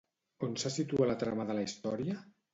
On se situa la trama de la història?